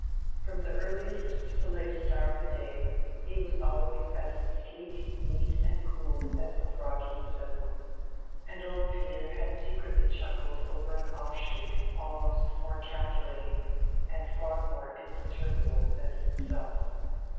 From the earliest to the latest hour of the day he was always as sleek, neat, and cool as the frog he resembled, and old Peter had secretly chuckled over an offshoot almost more calculating, and far more imperturbable, than himself.